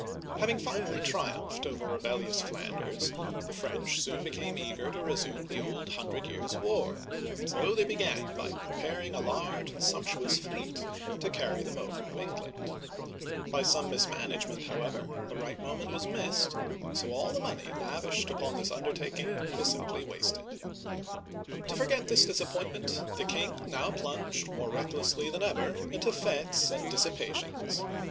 Having finally triumphed over rebellious Flanders, the French became eager to resume the old Hundred Years* War ; so they began by preparing a large and sumptuous fleet to carry them over to England. By some mismanage uigitized by VjOOQIC From an Old Print. Isabella of Bavaria. 176 OLD FRANCE ment, however, the right moment was missed, so all the money lavished upon this undertaking was simply wasted. To forget this disappointment, the king now plunged more recklessly than ever into f^tes and dissipations.